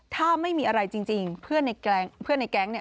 ถ้าไม่มีอะไรจริงเพื่อนในแก๊ง